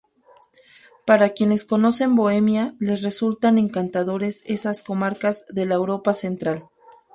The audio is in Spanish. Para quienes conocen Bohemia les resultan encantadores esas comarcas de la Europa Central.